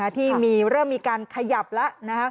ที่เริ่มมีการขยับแล้ว